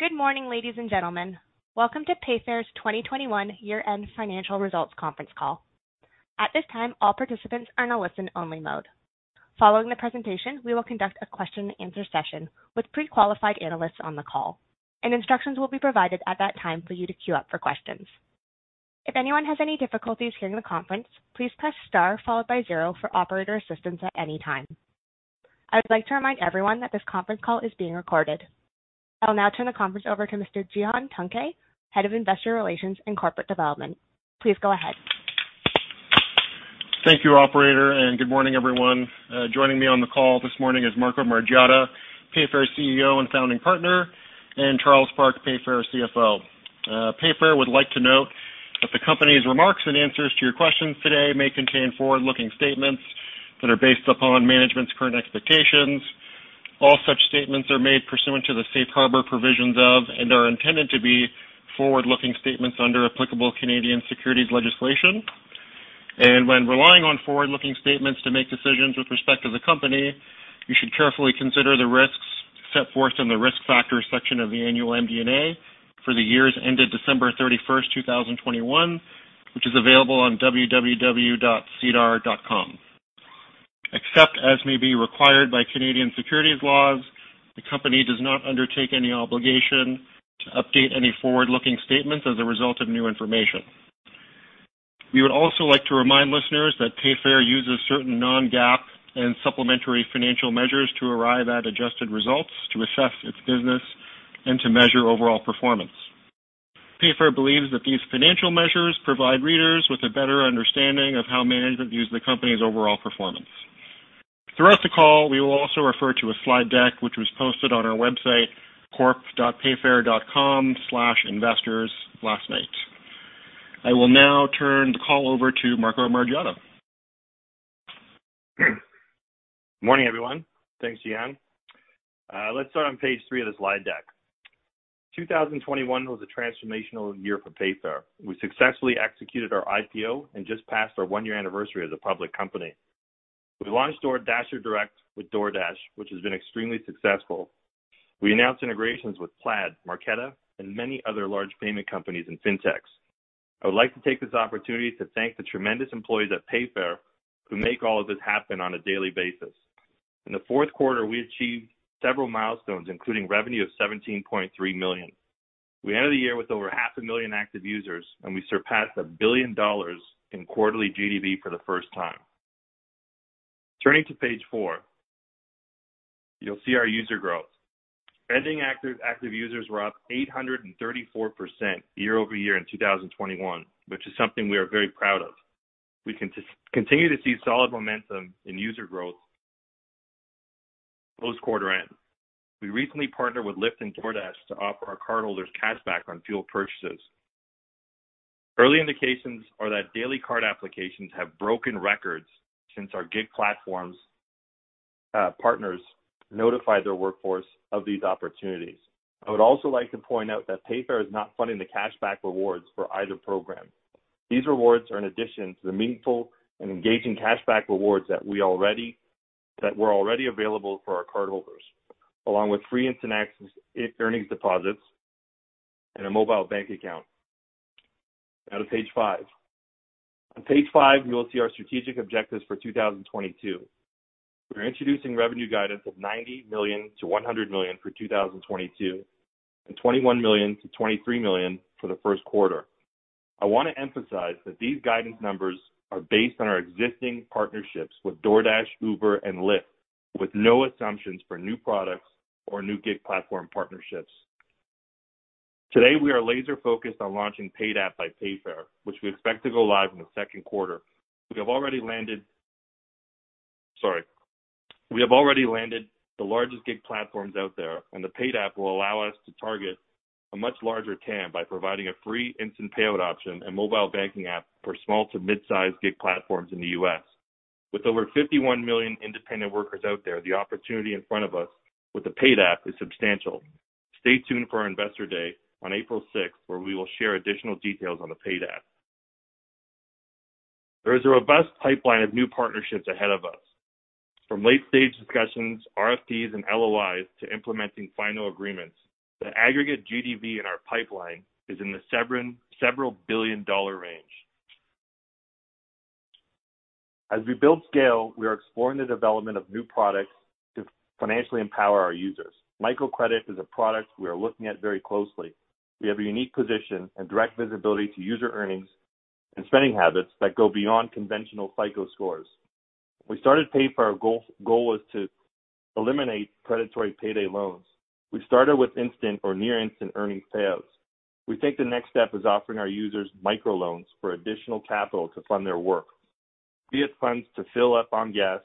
Good morning, ladies and gentlemen. Welcome to Payfare's 2021 year-end financial results conference call. At this time, all participants are in a listen-only mode. Following the presentation, we will conduct a question and answer session with pre-qualified analysts on the call, and instructions will be provided at that time for you to queue up for questions. If anyone has any difficulties hearing the conference, please press star followed by zero for operator assistance at any time. I would like to remind everyone that this conference call is being recorded. I will now turn the conference over to Mr. Cihan Tuncay, Head of Investor Relations and Corporate Development. Please go ahead. Thank you, operator, and good morning, everyone. Joining me on the call this morning is Marco Margiotta, Payfare CEO and Founding Partner, and Charles Park, Payfare CFO. Payfare would like to note that the company's remarks and answers to your questions today may contain forward-looking statements that are based upon management's current expectations. All such statements are made pursuant to the safe harbor provisions of and are intended to be forward-looking statements under applicable Canadian securities legislation. When relying on forward-looking statements to make decisions with respect to the company, you should carefully consider the risks set forth in the Risk Factors section of the annual MD&A for the years ended December 31, 2021, which is available on www.sedar.com. Except as may be required by Canadian securities laws, the company does not undertake any obligation to update any forward-looking statements as a result of new information. We would also like to remind listeners that Payfare uses certain non-GAAP and supplementary financial measures to arrive at adjusted results to assess its business and to measure overall performance. Payfare believes that these financial measures provide readers with a better understanding of how management views the company's overall performance. Throughout the call, we will also refer to a slide deck, which was posted on our website, corp.payfare.com/investors last night. I will now turn the call over to Marco Margiotta. Morning, everyone. Thanks, Cihan. Let's start on page 3 of the slide deck. 2021 was a transformational year for Payfare. We successfully executed our IPO and just passed our 1-year anniversary as a public company. We launched DasherDirect with DoorDash, which has been extremely successful. We announced integrations with Plaid, Marqeta, and many other large payment companies and fintechs. I would like to take this opportunity to thank the tremendous employees at Payfare who make all of this happen on a daily basis. In the fourth quarter, we achieved several milestones, including revenue of $17.3 million. We ended the year with over 500,000 active users, and we surpassed $1 billion in quarterly GDV for the first time. Turning to page 4, you'll see our user growth. Spending active users were up 834% year-over-year in 2021, which is something we are very proud of. We continue to see solid momentum in user growth post-quarter end. We recently partnered with Lyft and DoorDash to offer our cardholders cashback on fuel purchases. Early indications are that daily card applications have broken records since our gig platforms partners notified their workforce of these opportunities. I would also like to point out that Payfare is not funding the cashback rewards for either program. These rewards are in addition to the meaningful and engaging cashback rewards that were already available for our cardholders, along with free instant access earnings deposits and a mobile bank account. Now to page five. On page five, you will see our strategic objectives for 2022. We're introducing revenue guidance of 90 million-100 million for 2022 and 21 million-23 million for the first quarter. I wanna emphasize that these guidance numbers are based on our existing partnerships with DoorDash, Uber, and Lyft, with no assumptions for new products or new gig platform partnerships. Today, we are laser-focused on launching Paid App by Payfare, which we expect to go live in the second quarter. We have already landed the largest gig platforms out there, and the Paid App will allow us to target a much larger TAM by providing a free instant payout option and mobile banking app for small to mid-size gig platforms in the U.S. With over 51 million independent workers out there, the opportunity in front of us with the Paid App is substantial. Stay tuned for our Investor Day on April sixth, where we will share additional details on the Paid App. There is a robust pipeline of new partnerships ahead of us. From late-stage discussions, RFPs, and LOIs to implementing final agreements, the aggregate GDV in our pipeline is in the $several billion range. As we build scale, we are exploring the development of new products to financially empower our users. Microcredit is a product we are looking at very closely. We have a unique position and direct visibility to user earnings and spending habits that go beyond conventional FICO scores. When we started Payfare, our goal was to eliminate predatory payday loans. We started with instant or near instant earnings payouts. We think the next step is offering our users microloans for additional capital to fund their work, be it funds to fill up on gas,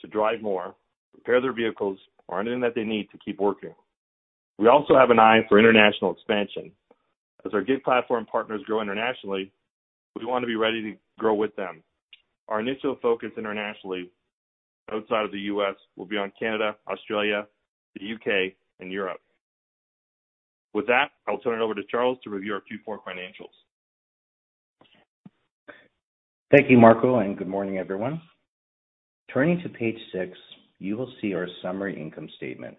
to drive more, prepare their vehicles or anything that they need to keep working. We also have an eye for international expansion. As our gig platform partners grow internationally, we want to be ready to grow with them. Our initial focus internationally outside of the U.S. will be on Canada, Australia, the U.K., and Europe. With that, I'll turn it over to Charles to review our Q4 financials. Thank you, Marco, and good morning, everyone. Turning to page six, you will see our summary income statement.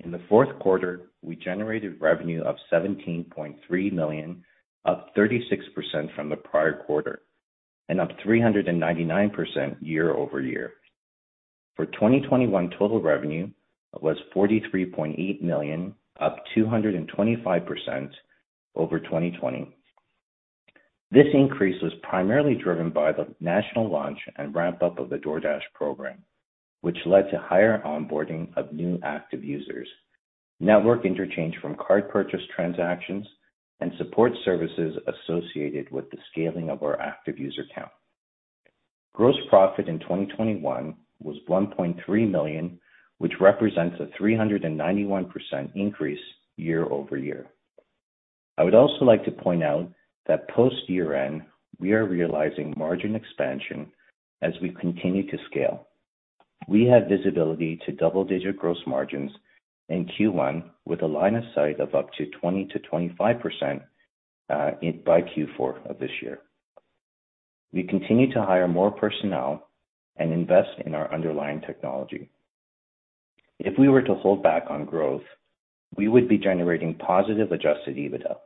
In the fourth quarter, we generated revenue of $17.3 million, up 36% from the prior quarter, and up 399% year over year. For 2021, total revenue was $43.8 million, up 225% over 2020. This increase was primarily driven by the national launch and ramp-up of the DoorDash program, which led to higher onboarding of new active users, network interchange from card purchase transactions and support services associated with the scaling of our active user count. Gross profit in 2021 was $1.3 million, which represents a 391% increase year over year. I would also like to point out that post-year-end, we are realizing margin expansion as we continue to scale. We have visibility to double-digit gross margins in Q1 with a line of sight of up to 20%-25% in by Q4 of this year. We continue to hire more personnel and invest in our underlying technology. If we were to hold back on growth, we would be generating positive adjusted EBITDA.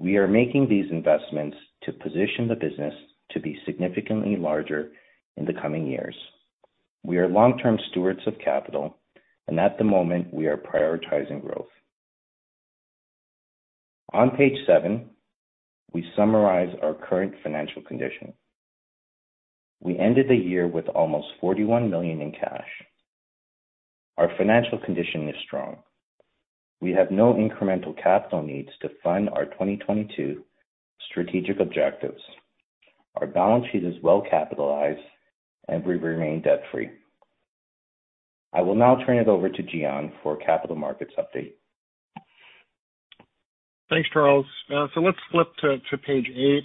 We are making these investments to position the business to be significantly larger in the coming years. We are long-term stewards of capital, and at the moment, we are prioritizing growth. On page 7, we summarize our current financial condition. We ended the year with almost 41 million in cash. Our financial condition is strong. We have no incremental capital needs to fund our 2022 strategic objectives. Our balance sheet is well capitalized, and we remain debt-free. I will now turn it over to Cihan for capital markets update. Thanks, Charles. Let's flip to page 8.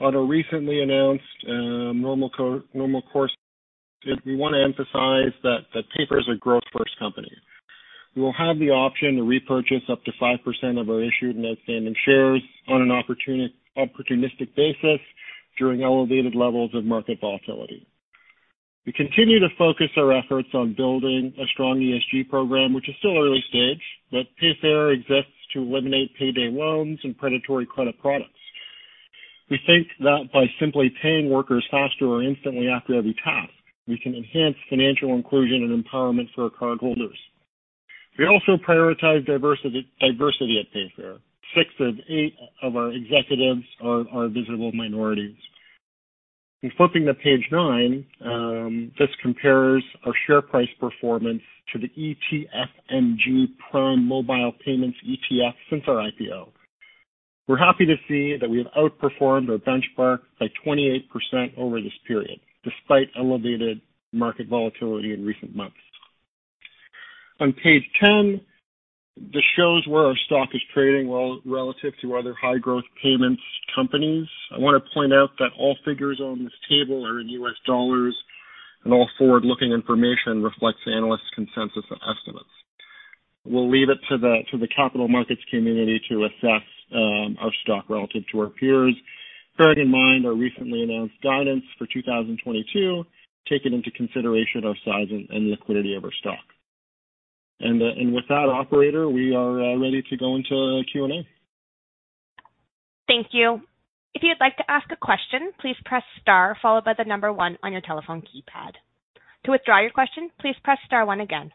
On a recently announced normal course, we wanna emphasize that Payfare is a growth-first company. We will have the option to repurchase up to 5% of our issued and outstanding shares on an opportunistic basis during elevated levels of market volatility. We continue to focus our efforts on building a strong ESG program, which is still early stage, but Payfare exists to eliminate payday loans and predatory credit products. We think that by simply paying workers faster or instantly after every task, we can enhance financial inclusion and empowerment for our cardholders. We also prioritize diversity at Payfare. 6 of 8 of our executives are visible minorities. In flipping to page 9, this compares our share price performance to the ETFMG Prime Mobile Payments ETF since our IPO. We're happy to see that we have outperformed our benchmark by 28% over this period, despite elevated market volatility in recent months. On page 10, this shows where our stock is trading relative to other high-growth payments companies. I wanna point out that all figures on this table are in US dollars, and all forward-looking information reflects analysts' consensus and estimates. We'll leave it to the capital markets community to assess our stock relative to our peers. Bear in mind our recently announced guidance for 2022, take into consideration our size and liquidity of our stock. With that operator, we are ready to go into Q&A. Thank you. If you'd like to ask a question, please press star followed by the number 1 on your telephone keypad. To withdraw your question, please press star 1 again.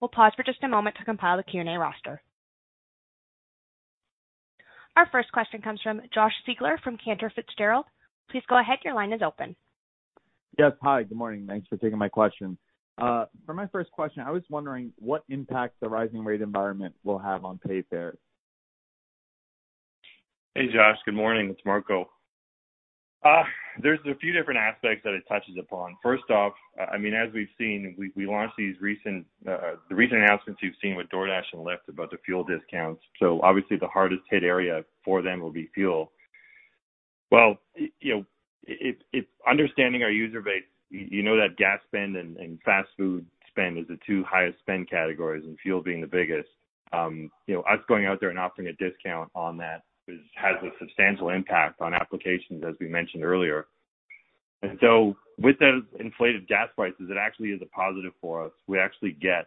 We'll pause for just a moment to compile the Q&A roster. Our first question comes from Josh Siegler from Cantor Fitzgerald. Please go ahead. Your line is open. Yes. Hi, good morning. Thanks for taking my question. For my first question, I was wondering what impact the rising rate environment will have on Payfare. Hey, Josh. Good morning. It's Marco. There's a few different aspects that it touches upon. First off, I mean, as we've seen, we launched the recent announcements you've seen with DoorDash and Lyft about the fuel discounts. Obviously the hardest hit area for them will be fuel. Well, you know, understanding our user base, you know that gas spend and fast food spend is the two highest spend categories, and fuel being the biggest. You know, us going out there and offering a discount on that has a substantial impact on applications, as we mentioned earlier. With those inflated gas prices, it actually is a positive for us. We actually get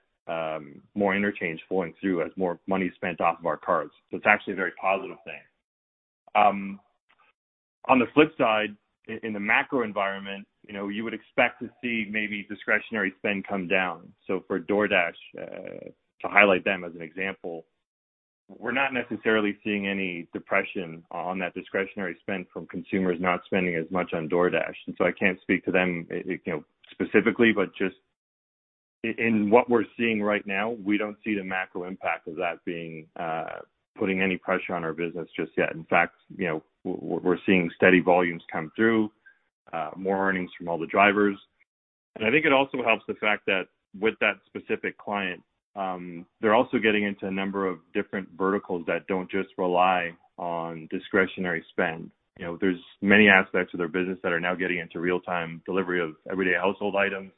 more interchange flowing through as more money is spent off of our cards. It's actually a very positive thing. On the flip side, in the macro environment, you know, you would expect to see maybe discretionary spend come down. For DoorDash, to highlight them as an example, we're not necessarily seeing any depression on that discretionary spend from consumers not spending as much on DoorDash. I can't speak to them, you know, specifically, but just in what we're seeing right now, we don't see the macro impact of that being putting any pressure on our business just yet. In fact, you know, we're seeing steady volumes come through, more earnings from all the drivers. I think it also helps the fact that with that specific client, they're also getting into a number of different verticals that don't just rely on discretionary spend. You know, there's many aspects of their business that are now getting into real-time delivery of everyday household items.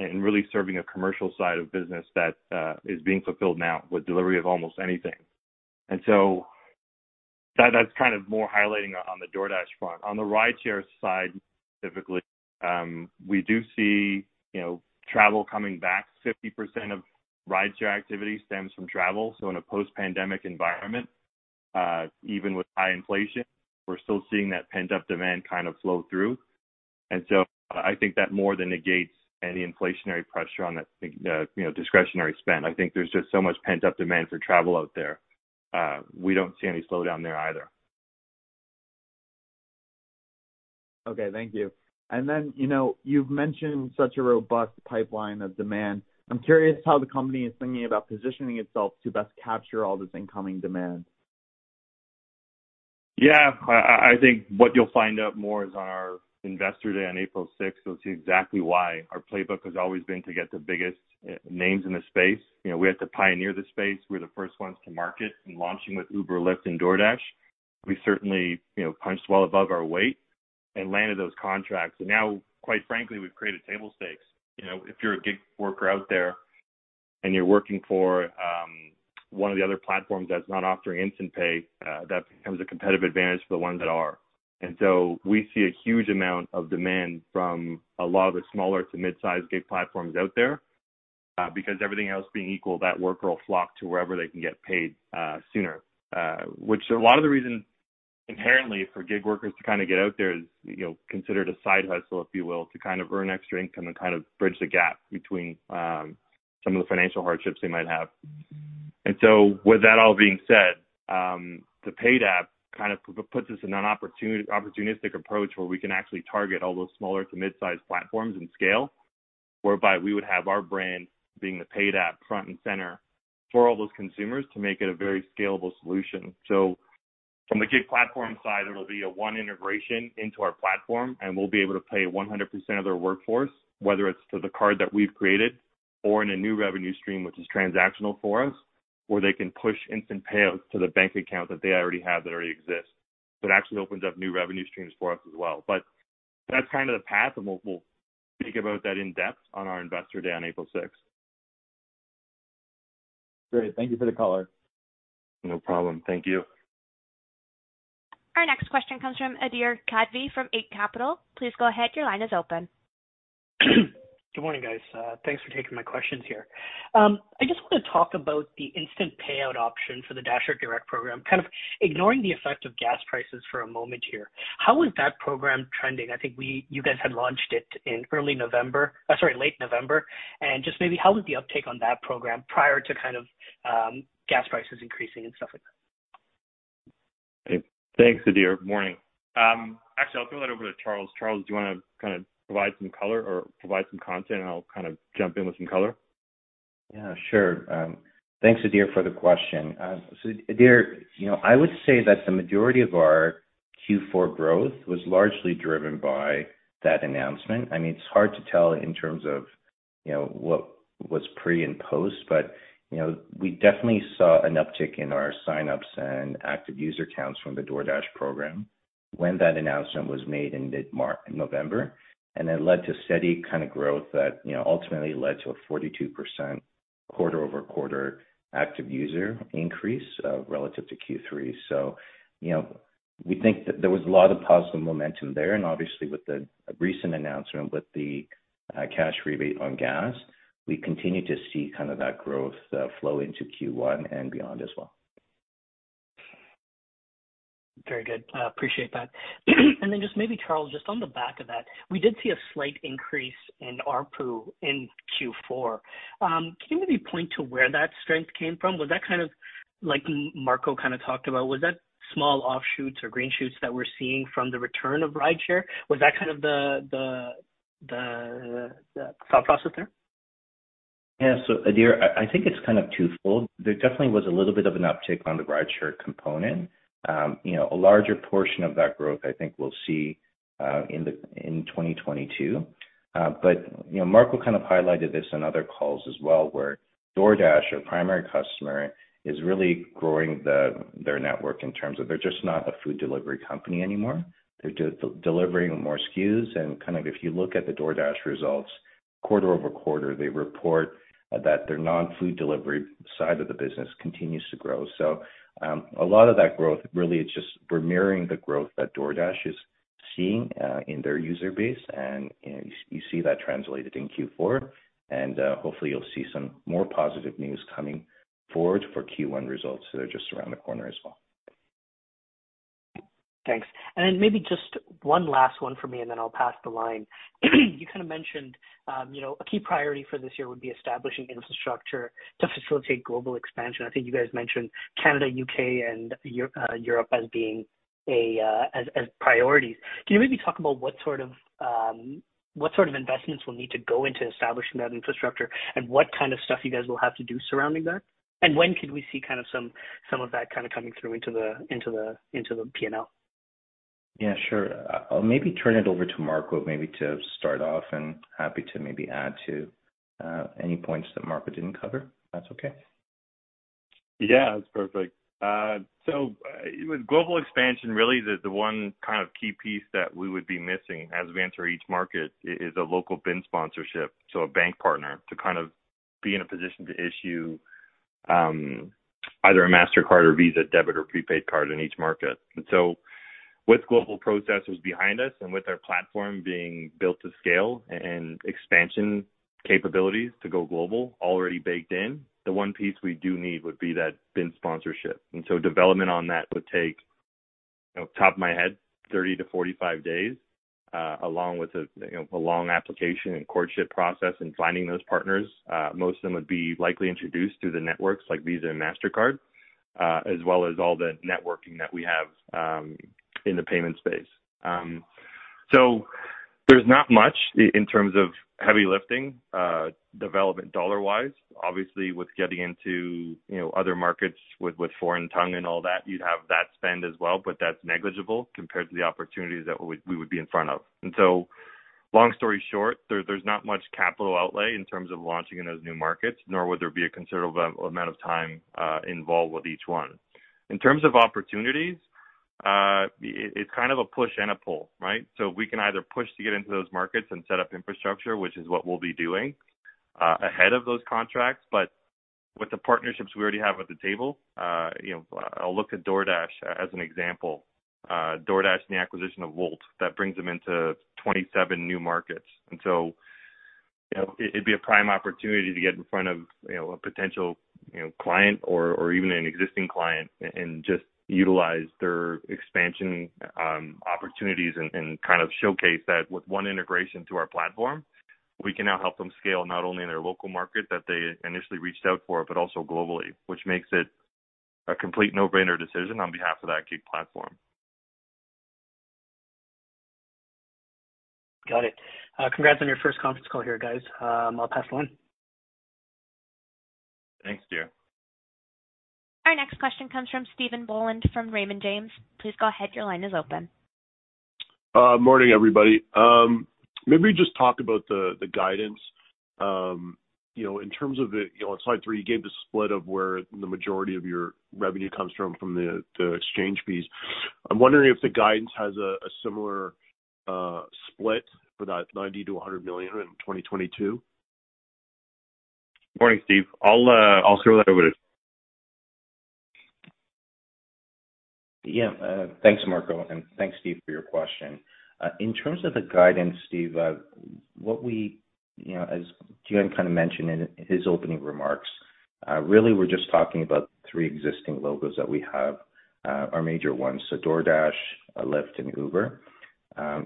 Really serving a commercial side of business that is being fulfilled now with delivery of almost anything. That's kind of more highlighting on the DoorDash front. On the rideshare side, typically, we do see, you know, travel coming back. 50% of rideshare activity stems from travel. In a post-pandemic environment, even with high inflation, we're still seeing that pent-up demand kind of flow through. I think that more than negates any inflationary pressure on that, you know, discretionary spend. I think there's just so much pent-up demand for travel out there. We don't see any slowdown there either. Okay. Thank you. You know, you've mentioned such a robust pipeline of demand. I'm curious how the company is thinking about positioning itself to best capture all this incoming demand. Yeah. I think what you'll find out more is on our Investor Day on April sixth, you'll see exactly why our playbook has always been to get the biggest names in the space. You know, we had to pioneer the space. We're the first ones to market in launching with Uber, Lyft and DoorDash. We certainly, you know, punched well above our weight and landed those contracts. Now, quite frankly, we've created table stakes. You know, if you're a gig worker out there, and you're working for one of the other platforms that's not offering instant pay, that becomes a competitive advantage for the ones that are. We see a huge amount of demand from a lot of the smaller to mid-size gig platforms out there, because everything else being equal, that worker will flock to wherever they can get paid sooner. Which a lot of the reason inherently for gig workers to kinda get out there is, you know, considered a side hustle, if you will, to kind of earn extra income and kind of bridge the gap between some of the financial hardships they might have. With that all being said, the Paid App kind of puts us in an opportunistic approach where we can actually target all those smaller to mid-size platforms and scale, whereby we would have our brand being the Paid App front and center for all those consumers to make it a very scalable solution. From the gig platform side, it'll be a one integration into our platform, and we'll be able to pay 100% of their workforce, whether it's to the card that we've created or in a new revenue stream which is transactional for us, or they can push instant payouts to the bank account that they already have that already exists. It actually opens up new revenue streams for us as well. That's kind of the path, and we'll speak about that in depth on our Investor Day on April sixth. Great. Thank you for the color. No problem. Thank you. Our next question comes from Adhir Kadve from Eight Capital. Please go ahead. Your line is open. Good morning, guys. Thanks for taking my questions here. I just wanna talk about the instant payout option for the DasherDirect Program. Kind of ignoring the effect of gas prices for a moment here, how is that program trending? I think you guys had launched it in early November. Sorry, late November. Just maybe how was the uptake on that program prior to kind of gas prices increasing and stuff like that? Thanks, Adhir. Morning. Actually, I'll throw that over to Charles. Charles, do you wanna kind of provide some color or provide some content, and I'll kind of jump in with some color? Yeah, sure. Thanks, Adhir, for the question. So Adhir, you know, I would say that the majority of our Q4 growth was largely driven by that announcement. I mean, it's hard to tell in terms of, you know, what was pre and post, but, you know, we definitely saw an uptick in our sign-ups and active user counts from the DoorDash program when that announcement was made in mid-November. It led to steady kinda growth that, you know, ultimately led to a 42% quarter-over-quarter active user increase relative to Q3. So, you know, we think that there was a lot of positive momentum there. Obviously with the recent announcement, with the cash rebate on gas, we continue to see kind of that growth flow into Q1 and beyond as well. Very good. I appreciate that. Just maybe Charles, just on the back of that, we did see a slight increase in ARPU in Q4. Can you maybe point to where that strength came from? Was that kind of like Marco kinda talked about? Was that small offshoots or green shoots that we're seeing from the return of rideshare? Was that kind of the thought process there? Yeah. Adhir, I think it's kind of twofold. There definitely was a little bit of an uptick on the rideshare component. You know, a larger portion of that growth I think we'll see in 2022. You know, Marco kind of highlighted this in other calls as well, where DoorDash, our primary customer, is really growing their network in terms of they're just not a food delivery company anymore. They're delivering more SKUs. Kind of if you look at the DoorDash results quarter-over-quarter, they report that their non-food delivery side of the business continues to grow. A lot of that growth really is just we're mirroring the growth that DoorDash is seeing in their user base. You know, you see that translated in Q4, and hopefully you'll see some more positive news coming forward for Q1 results that are just around the corner as well. Thanks. Maybe just one last one for me, and then I'll pass the line. You kinda mentioned, you know, a key priority for this year would be establishing infrastructure to facilitate global expansion. I think you guys mentioned Canada, U.K. and Europe as being a, as priorities. Can you maybe talk about what sort of investments will need to go into establishing that infrastructure and what kind of stuff you guys will have to do surrounding that? When could we see kind of some of that kinda coming through into the P&L? Yeah, sure. I'll maybe turn it over to Marco, maybe to start off and happy to maybe add to any points that Marco didn't cover, if that's okay. Yeah, that's perfect. With global expansion really is the one kind of key piece that we would be missing as we enter each market is a local BIN sponsorship, so a bank partner to kind of be in a position to issue either a Mastercard or Visa debit or prepaid card in each market. With global processors behind us and with our platform being built to scale and expansion capabilities to go global already baked in, the one piece we do need would be that BIN sponsorship. Development on that would take, you know, top of my head, 30-45 days, along with you know a long application and courtship process and finding those partners. Most of them would be likely introduced through the networks like Visa and Mastercard, as well as all the networking that we have in the payment space. There's not much in terms of heavy lifting, development dollar-wise. Obviously, with getting into, you know, other markets with foreign tongue and all that, you'd have that spend as well, but that's negligible compared to the opportunities that we would be in front of. Long story short, there's not much capital outlay in terms of launching in those new markets, nor would there be a considerable amount of time involved with each one. In terms of opportunities, it's kind of a push and a pull, right? We can either push to get into those markets and set up infrastructure, which is what we'll be doing ahead of those contracts. With the partnerships we already have at the table, you know, I'll look at DoorDash as an example. DoorDash and the acquisition of Wolt, that brings them into 27 new markets. You know, it'd be a prime opportunity to get in front of, you know, a potential client or even an existing client and just utilize their expansion opportunities and kind of showcase that with one integration to our platform, we can now help them scale not only in their local market that they initially reached out for, but also globally, which makes it a complete no-brainer decision on behalf of that gig platform. Got it. Congrats on your first conference call here, guys. I'll pass to line. Thanks, Cihan. Our next question comes from Stephen Boland from Raymond James. Please go ahead. Your line is open. Morning, everybody. Maybe just talk about the guidance, you know, in terms of the, you know, on slide 3, you gave the split of where the majority of your revenue comes from the exchange fees. I'm wondering if the guidance has a similar split for that 90 million-100 million in 2022? Morning, Steve. I'll throw that over to Marco. Yeah. Thanks, Marco, and thanks, Stephen, for your question. In terms of the guidance, Stephen, what we, you know, as Cihan kind of mentioned in his opening remarks, really we're just talking about three existing logos that we have, our major ones, so DoorDash, Lyft, and Uber.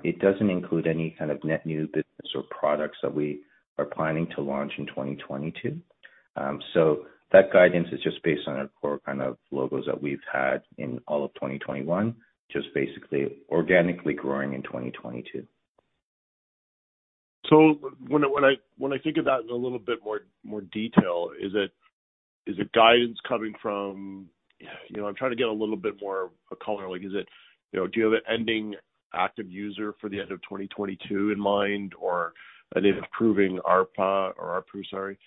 It doesn't include any kind of net new business or products that we are planning to launch in 2022. That guidance is just based on our core kind of logos that we've had in all of 2021, just basically organically growing in 2022. When I think of that in a little bit more detail, is the guidance coming from? You know, I'm trying to get a little bit more color. Like, is it, you know, do you have an ending active user for the end of 2022 in mind or an improving ARPA or ARPU, sorry?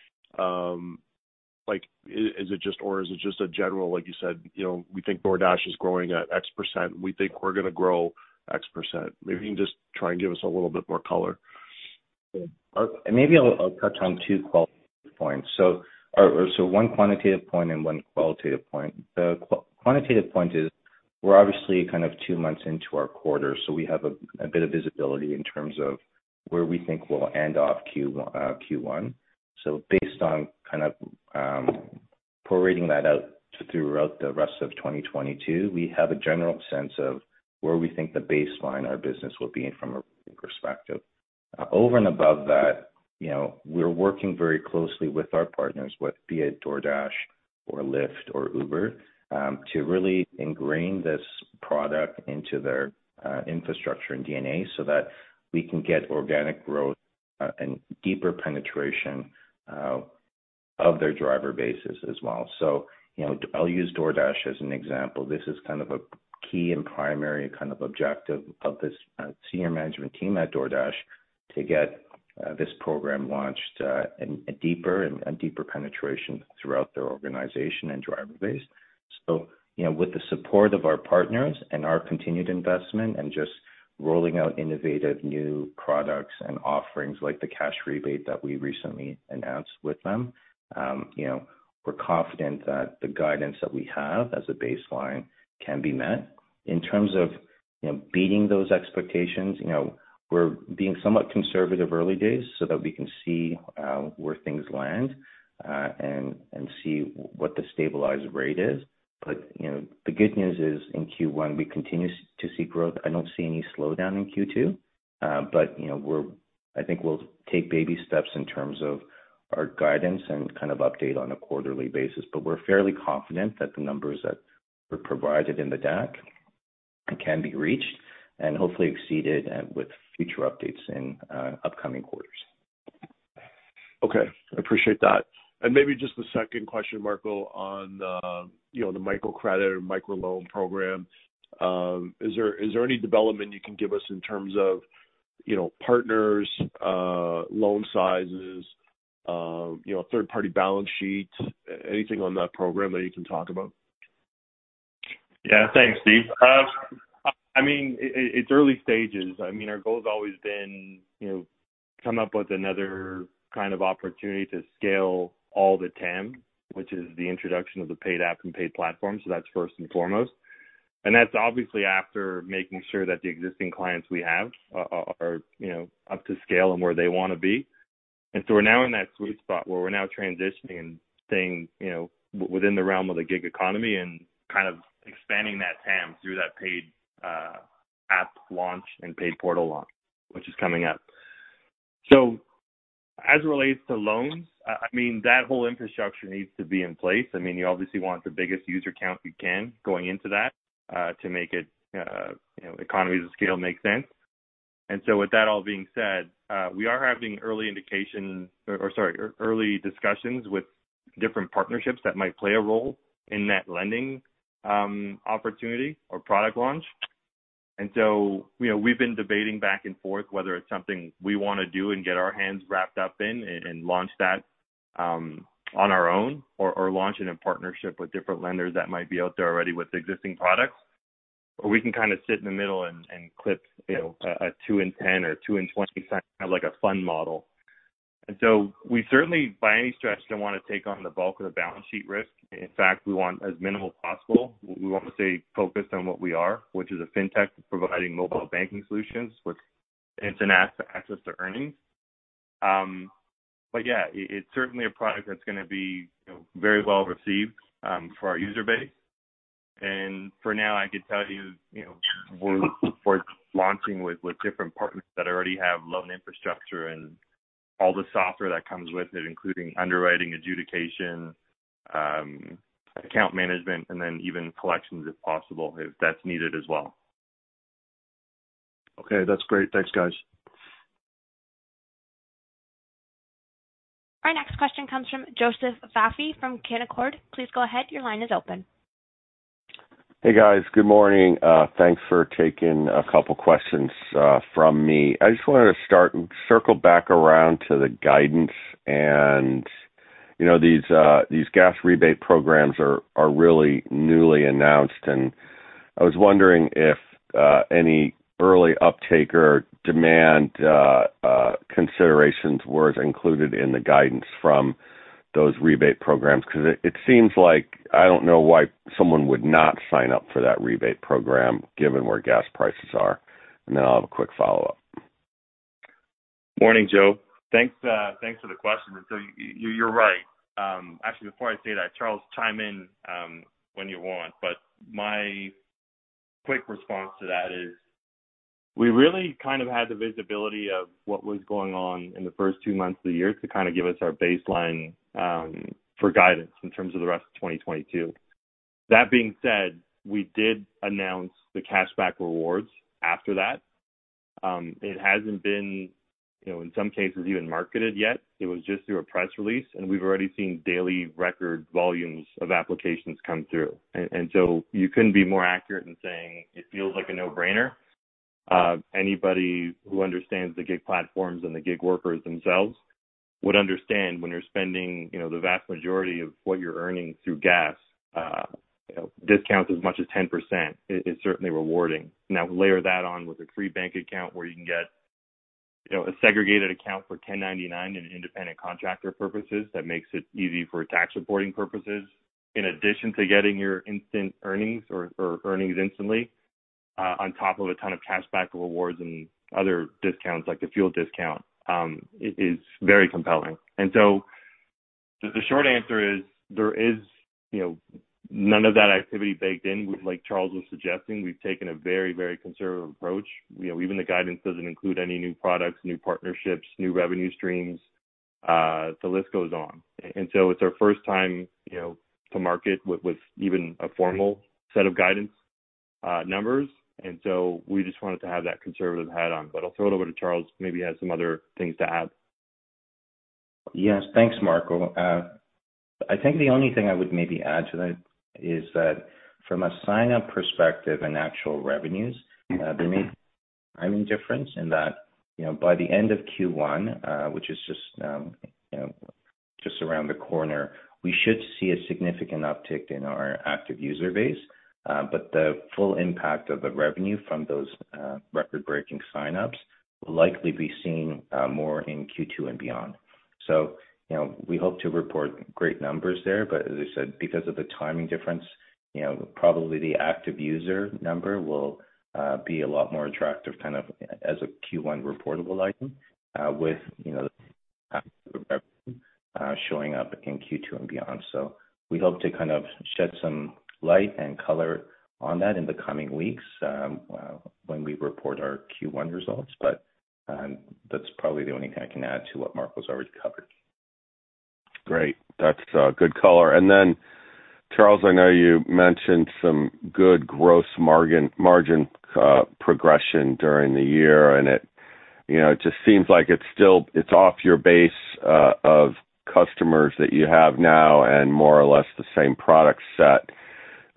Like, is it just or is it just a general like you said, you know, we think DoorDash is growing at X%, we think we're gonna grow X%? Maybe you can just try and give us a little bit more color. Sure. Maybe I'll touch on two qualitative points. Or so, one quantitative point and one qualitative point. The quantitative point is we're obviously kind of two months into our quarter, so we have a bit of visibility in terms of where we think we'll end of Q1. Based on kind of, prorating that out throughout the rest of 2022, we have a general sense of where we think the baseline our business will be in from a perspective. Over and above that, you know, we're working very closely with our partners, whether it be DoorDash or Lyft or Uber, to really ingrain this product into their infrastructure and DNA so that we can get organic growth and deeper penetration of their driver bases as well. You know, I'll use DoorDash as an example. This is kind of a key and primary kind of objective of this senior management team at DoorDash to get this program launched in a deeper penetration throughout their organization and driver base. You know, with the support of our partners and our continued investment and just rolling out innovative new products and offerings like the cash rebate that we recently announced with them, you know, we're confident that the guidance that we have as a baseline can be met. In terms of, you know, beating those expectations, you know, we're being somewhat conservative early days so that we can see where things land and see what the stabilized rate is. You know, the good news is, in Q1, we continue to see growth. I don't see any slowdown in Q2. You know, I think we'll take baby steps in terms of our guidance and kind of update on a quarterly basis. We're fairly confident that the numbers that were provided in the deck can be reached and hopefully exceeded, with future updates in upcoming quarters. Okay. I appreciate that. Maybe just the second question, Marco, on you know, the micro credit or micro loan program. Is there any development you can give us in terms of partners, loan sizes, third-party balance sheets? Anything on that program that you can talk about? Yeah. Thanks, Steven. I mean, it's early stages. I mean, our goal has always been, you know, come up with another kind of opportunity to scale all the TAM, which is the introduction of the Paid App and Paid Platform. That's first and foremost. That's obviously after making sure that the existing clients we have are, you know, up to scale and where they wanna be. We're now in that sweet spot where we're now transitioning and staying, you know, within the realm of the gig economy and kind of expanding that TAM through that Paid App launch and Paid Portal launch, which is coming up. As it relates to loans, I mean, that whole infrastructure needs to be in place. I mean, you obviously want the biggest user count you can going into that, to make it, you know, economies of scale make sense. With that all being said, we are having early discussions with different partnerships that might play a role in that lending opportunity or product launch. You know, we've been debating back and forth whether it's something we wanna do and get our hands wrapped up in and launch that on our own or launch it in partnership with different lenders that might be out there already with existing products. We can kinda sit in the middle and clip, you know, a 2 and 10 or 2 and 20 percent, kind of like a fund model. We certainly, by any stretch, don't wanna take on the bulk of the balance sheet risk. In fact, we want as minimal as possible. We wanna stay focused on what we are, which is a fintech providing mobile banking solutions with instant access to earnings. But yeah, it's certainly a product that's gonna be, you know, very well received for our user base. For now, I could tell you know, we're launching with different partners that already have loan infrastructure and all the software that comes with it, including underwriting, adjudication, account management, and then even collections if possible, if that's needed as well. Okay, that's great. Thanks, guys. Our next question comes from Joseph Vafi from Canaccord. Please go ahead. Your line is open. Hey, guys. Good morning. Thanks for taking a couple questions from me. I just wanted to start and circle back around to the guidance and, you know, these gas rebate programs are really newly announced, and I was wondering if any early uptake or demand considerations were included in the guidance from those rebate programs 'cause it seems like I don't know why someone would not sign up for that rebate program given where gas prices are. Then I'll have a quick follow-up. Morning, Joe. Thanks for the question. You're right. Actually before I say that, Charles, chime in when you want, but my quick response to that is we really kind of had the visibility of what was going on in the first two months of the year to kinda give us our baseline for guidance in terms of the rest of 2022. That being said, we did announce the cashback rewards after that. It hasn't been, you know, in some cases even marketed yet. It was just through a press release, and we've already seen daily record volumes of applications come through. You couldn't be more accurate in saying it feels like a no-brainer. Anybody who understands the gig platforms and the gig workers themselves would understand when you're spending, you know, the vast majority of what you're earning through gas, you know, discounts as much as 10% is certainly rewarding. Now, layer that on with a free bank account where you can get, you know, a segregated account for 1099 independent contractor purposes that makes it easy for tax reporting purposes, in addition to getting your instant earnings or earnings instantly, on top of a ton of cashback rewards and other discounts like the fuel discount, is very compelling. The short answer is there is, you know, none of that activity baked in. Like Charles was suggesting, we've taken a very, very conservative approach. You know, even the guidance doesn't include any new products, new partnerships, new revenue streams, the list goes on. It's our first time, you know, to market with even a formal set of guidance numbers. We just wanted to have that conservative hat on. I'll throw it over to Charles, maybe he has some other things to add. Yes. Thanks, Marco. I think the only thing I would maybe add to that is that from a sign-up perspective and actual revenues, there may be timing difference in that, you know, by the end of Q1, which is just around the corner, we should see a significant uptick in our active user base, but the full impact of the revenue from those record-breaking sign-ups will likely be seen more in Q2 and beyond. We hope to report great numbers there, but as I said, because of the timing difference, you know, probably the active user number will be a lot more attractive kind of as a Q1 reportable item, with the revenue showing up in Q2 and beyond. We hope to kind of shed some light and color on that in the coming weeks, when we report our Q1 results. That's probably the only thing I can add to what Marco's already covered. Great. That's good color. Charles, I know you mentioned some good gross margin progression during the year, and it just seems like it's off your base of customers that you have now and more or less the same product set.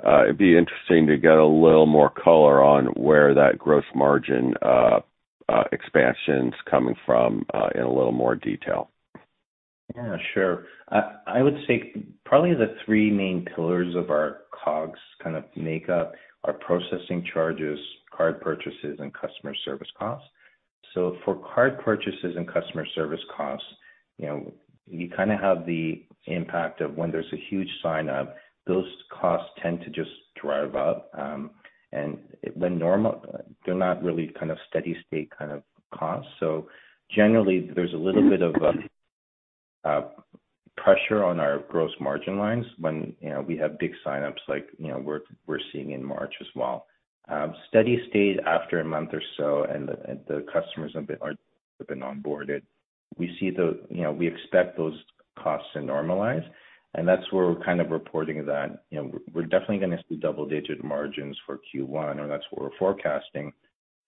It'd be interesting to get a little more color on where that gross margin expansion's coming from in a little more detail. Yeah, sure. I would say probably the three main pillars of our COGS kind of make up are processing charges, card purchases, and customer service costs. For card purchases and customer service costs, you know, you kinda have the impact of when there's a huge sign up, those costs tend to just drive up, and when normal. They're not really kind of steady state kind of costs. Generally, there's a little bit of pressure on our gross margin lines when, you know, we have big signups like, you know, we're seeing in March as well. Steady state after a month or so, and the customers have been onboarded. We see the, you know, we expect those costs to normalize, and that's where we're kind of reporting that. You know, we're definitely gonna see double-digit margins for Q1, or that's what we're forecasting.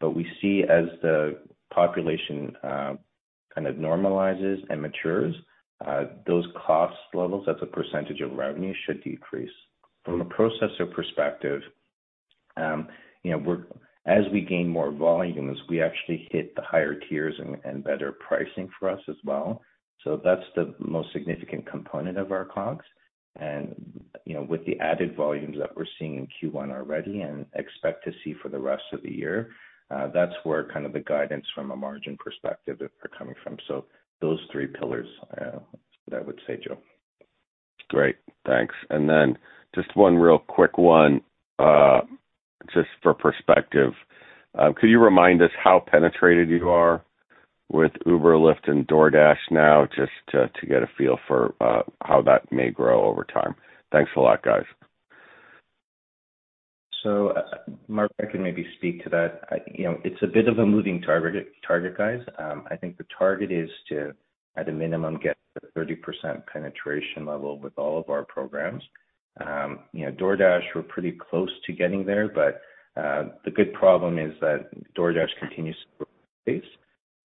We see as the population kind of normalizes and matures, those cost levels, that's a percentage of revenue, should decrease. From a processor perspective, you know, as we gain more volumes, we actually hit the higher tiers and better pricing for us as well. That's the most significant component of our COGS. You know, with the added volumes that we're seeing in Q1 already and expect to see for the rest of the year, that's where kind of the guidance from a margin perspective are coming from. Those three pillars, I would say, Joe. Great. Thanks. Just one real quick one, just for perspective. Could you remind us how penetrated you are with Uber, Lyft, and DoorDash now just to get a feel for how that may grow over time? Thanks a lot, guys. Mark, I can maybe speak to that. You know, it's a bit of a moving target, guys. I think the target is to, at a minimum, get the 30% penetration level with all of our programs. You know, DoorDash, we're pretty close to getting there, but the good problem is that DoorDash continues to grow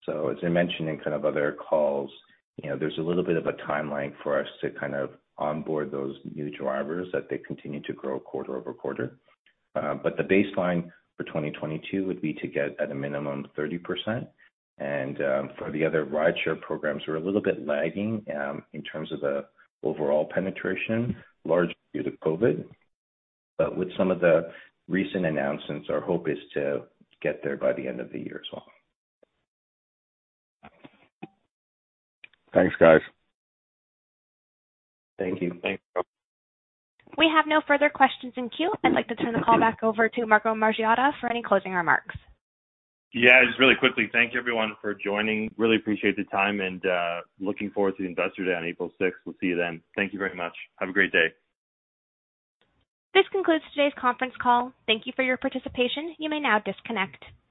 base. As I mentioned in kind of other calls, you know, there's a little bit of a timeline for us to kind of onboard those new drivers that they continue to grow quarter over quarter. But the baseline for 2022 would be to get at a minimum 30%. For the other rideshare programs, we're a little bit lagging in terms of the overall penetration, largely due to COVID. With some of the recent announcements, our hope is to get there by the end of the year as well. Thanks, guys. Thank you. Thanks. We have no further questions in queue. I'd like to turn the call back over to Marco Margiotta for any closing remarks. Yeah, just really quickly. Thank you everyone for joining. Really appreciate the time and looking forward to Investor Day on April sixth. We'll see you then. Thank you very much. Have a great day. This concludes today's conference call. Thank you for your participation. You may now disconnect.